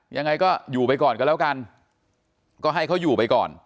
ยังไงก็อยู่ไปก่อนก็แล้วกันก็ให้เขาอยู่ไปก่อน